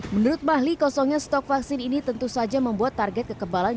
menurut bahli kosongnya stok vaksin ini tentu saja membuat target kekebalan